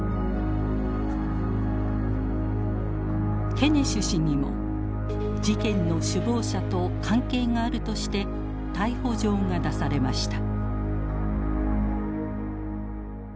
ケネシュ氏にも事件の首謀者と関係があるとして逮捕状が出されました。